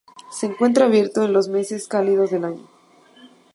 Se encuentra abierto en los meses cálidos del año.